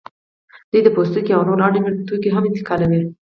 دوی د پوستکي او نور اړین توکي هم انتقالوي